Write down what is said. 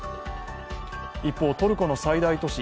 一方、トルコの最大都市